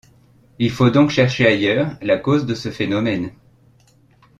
Il faut donc chercher ailleurs la cause de ce phénomène.